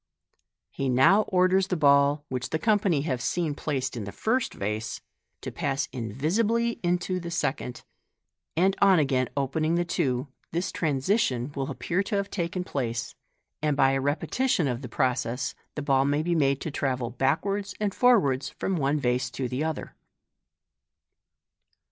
He now orders the ball, which the company have seen placed in the first vase, to pass invisibly intc the second ; and on again opening the two, this transposition will appear to have taken place, and by a repetition of the process the ball may be made to travel backwards and forwards from one vase to the other.